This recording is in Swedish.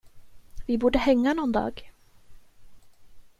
Vi borde hänga någon dag.